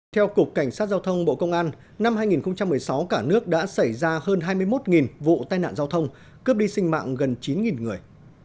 theo cục cảnh sát giao thông bộ công an năm hai nghìn một mươi sáu cả nước đã xảy ra hơn hai mươi một vụ tai nạn giao thông cướp đi sinh mạng gần chín người